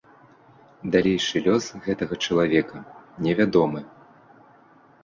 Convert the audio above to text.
Далейшы лёс гэтага чалавека не вядомы.